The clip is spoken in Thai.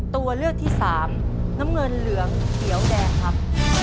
ตัวเลือกที่สามน้ำเงินเหลืองเขียวแดงครับ